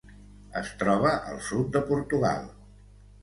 Es troba al sud de Portugal.